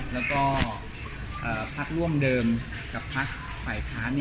แล้วก็พักร่วมเดิมกับพักฝ่ายค้าน